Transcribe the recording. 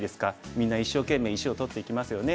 みんな一生懸命石を取っていきますよね。